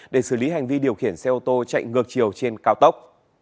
để xử lý hành vi điều khiển xe ô tô chạy ngược chiều trên cao tốc